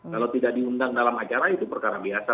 kalau tidak diundang dalam acara itu perkara biasa